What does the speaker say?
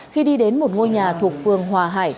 khi đi đến một ngôi nhà thuộc phường hòa hải